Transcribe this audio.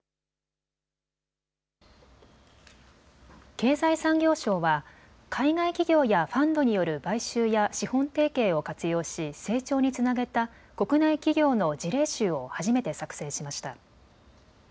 経済産業省は海外企業やファンドによる買収や資本提携を活用し成長につなげた国内企業の事例集を初めて作成しました。